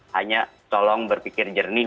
hanya tolong berpikir jernih